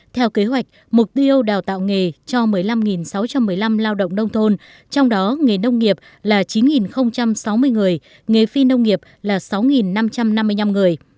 theo kế hoạch mục tiêu đào tạo nghề cho một mươi năm sáu trăm một mươi năm lao động nông thôn trong đó nghề nông nghiệp là chín sáu mươi người nghề phi nông nghiệp là sáu năm trăm năm mươi năm người